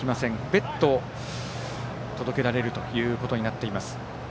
別途、届けられるということになっています。